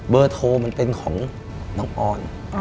เบอร์โทรมันเป็นของน้องออน